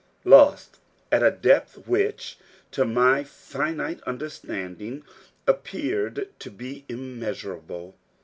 Lost at a depth which, to my finite understanding, appeared to be immeasurable.